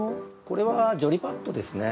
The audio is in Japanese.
これはジョリパットですね。